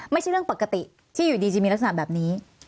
ไม่ใช่เรื่องปกติที่อยู่ดีจะมีลักษณะแบบนี้